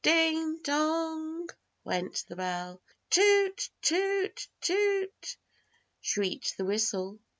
"Ding, dong!" went the bell. "Toot toot toot!" shrieked the whistle.